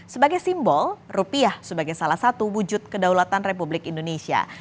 sebagai simbol rupiah sebagai salah satu wujud kedaulatan republik indonesia